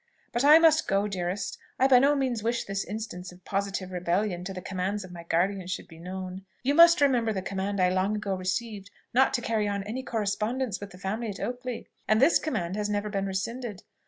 But I must go, dearest! I by no means wish this instance of positive rebellion to the commands of my guardian should be known. You must remember the command I long ago received not to carry on any correspondence with the family at Oakley; and this command has never been rescinded.